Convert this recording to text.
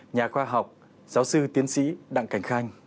nhà khoa học giáo sư tiến sĩ đặng cảnh khanh